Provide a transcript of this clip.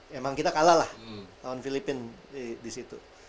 memang kita kalah lah lawan filipin disitu